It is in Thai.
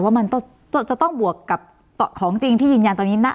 ว่ามันจะต้องบวกกับของจริงที่ยืนยันตอนนี้นะ